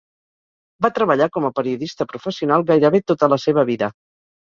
Va treballar com a periodista professional gairebé tota la seva vida.